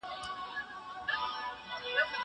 زه اوس لیکل کوم!!